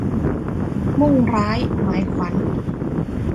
มุ่งร้ายหมายขวัญ